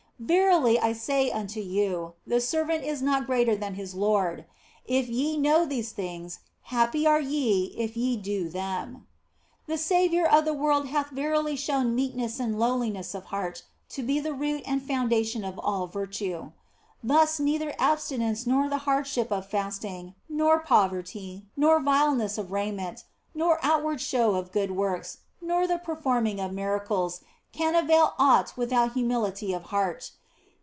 Verily I say unto you, the servant is not greater than his lord. If ye know these things, happy are ye if ye do them." The Saviour of the world hath verily shown meekness and lowliness of heart to be the root and foundation of all virtue. Thus, neither abstinence nor the hardship of fasting, nor poverty, nor vileness of raiment, nor outward show of good works, nor the performing of miracles can avail aught without humility of heart.